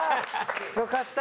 よかった！